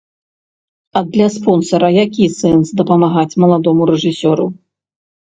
А для спонсара які сэнс дапамагаць маладому рэжысёру?